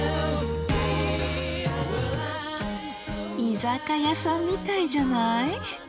居酒屋さんみたいじゃない？